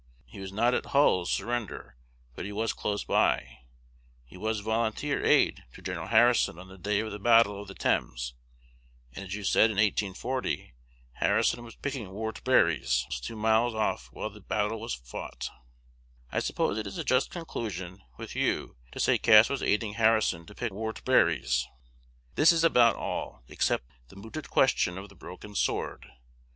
He was not at Hull's surrender, but he was close by; he was volunteer aid to Gen. Harrison on the day of the battle of the Thames; and, as you said in 1840 Harrison was picking whortleberries two miles off while the battle was fought, I suppose it is a just conclusion, with you, to say Cass was aiding Harrison to pick whortleberries. This is about all, except the mooted question of the broken sword.